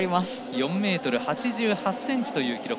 ４ｍ８８ｃｍという記録。